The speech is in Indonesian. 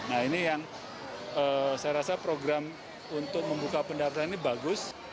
nah ini yang saya rasa program untuk membuka pendataan ini bagus